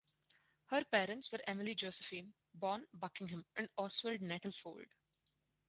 Her parents were Emily Josephine (born Buckingham) and Oswald Nettlefold.